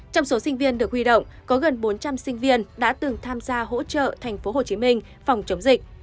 trong số sinh viên được huy động có gần bốn trăm linh sinh viên đã từng tham gia hỗ trợ tp hcm phòng chống dịch